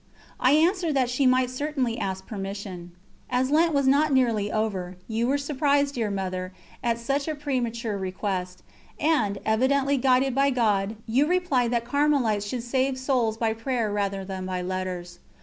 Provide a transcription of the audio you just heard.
I answered that she might certainly ask permission. As Lent was not nearly over, you were surprised, dear Mother, at such a premature request, and, evidently guided by God, you replied that Carmelites should save souls by prayer rather than by letters.